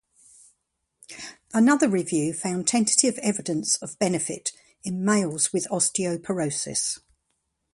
Another review found tentative evidence of benefit in males with osteoporosis.